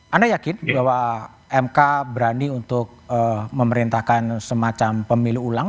anda yakin bahwa mk berani untuk memerintahkan semacam pemilu ulang